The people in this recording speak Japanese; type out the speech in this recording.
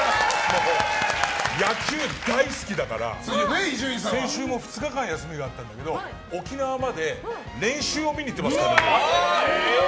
野球大好きだから先週も２日間休みがあったんだけど沖縄まで練習を見に行ってますからね。